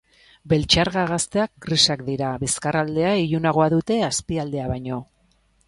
Beltxarga gazteak grisak dira, bizkarraldea ilunagoa dute azpialdea baino.